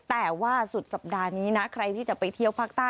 แต่ว่าสุดสัปดาห์นี้นะใครที่จะไปเที่ยวภาคใต้